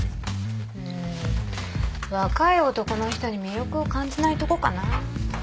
うーん若い男の人に魅力を感じないとこかな。